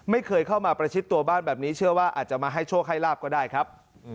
ไม่เคยเข้ามาประชิดตัวบ้านแบบนี้เชื่อว่าอาจจะมาให้โชคให้ลาบก็ได้ครับ